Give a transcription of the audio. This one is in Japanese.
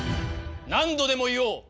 何度でも言おう。